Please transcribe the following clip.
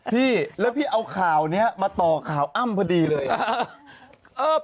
พี่แล้วพี่เอาข่าวนี้มาต่อข่าวอ้ำพอดีเลย